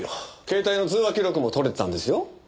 携帯の通話記録も取れてたんですよ？